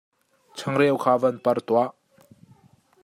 Changreu kha van per tuah.